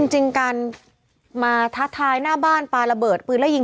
จริงการมาท้าทายหน้าบ้านปลาระเบิดปืนแล้วยิง